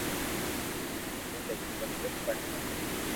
مني تو خبر ڪوئي پڙي ھي